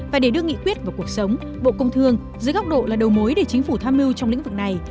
và để đưa nghị quyết vào cuộc sống bộ công thương dưới góc độ là đầu mối để chính phủ tham mưu trong lĩnh vực này